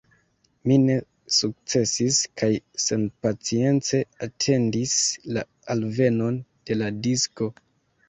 Mi ne sukcesis, kaj senpacience atendis la alvenon de la disko.